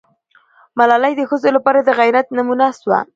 ملالۍ د ښځو لپاره د غیرت نمونه سوه.